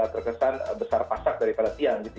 terkesan besar pasak dari pelatihan